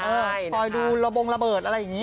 คอยดูระบงระเบิดอะไรอย่างนี้